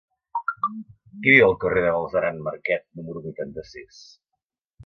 Qui viu al carrer de Galceran Marquet número vuitanta-sis?